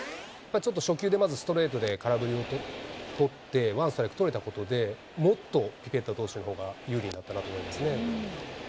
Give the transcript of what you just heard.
ちょっと初球でまずストレートで空振りを取って、ワンストライク取れたことで、もっとピベッタ投手のほうが有利だったかなと思いますね。